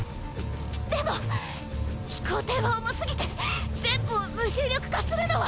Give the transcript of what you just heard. ででも飛行艇は重すぎて全部を無重力化するのは。